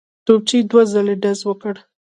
توپچي دوه ځلي ډزې وکړې.